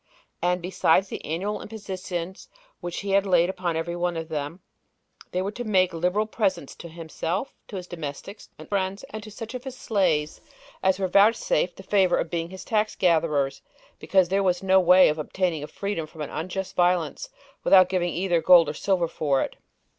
And besides the annual impositions which he laid upon every one of them, they were to make liberal presents to himself, to his domestics and friends, and to such of his slaves as were vouchsafed the favor of being his tax gatherers, because there was no way of obtaining a freedom from unjust violence without giving either gold or silver for it.